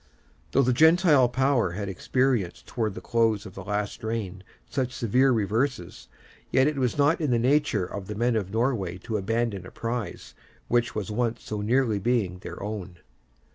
Though the Gentile power had experienced towards the close of the last reign such severe reverses, yet it was not in the nature of the men of Norway to abandon a prize which was once so nearly being their own.